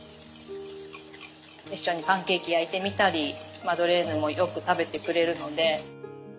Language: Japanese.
一緒にパンケーキ焼いてみたりマドレーヌもよく食べてくれるので。